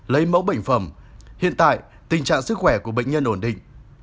lấy mẫu bệnh phẩm hiện tại tình trạng sức khỏe của bệnh nhân ổn định